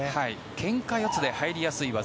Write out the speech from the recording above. けんか四つで入りやすい技。